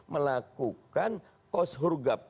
melakukan kos hurga